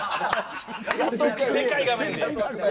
でかい画面で。